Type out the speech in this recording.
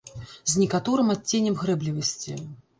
З некаторым адценнем грэблівасці.